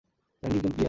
Landing zone clear!